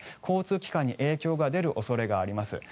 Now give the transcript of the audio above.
交通機関に影響が出る恐れがあります。